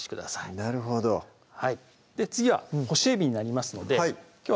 なるほど次は干しえびになりますのでは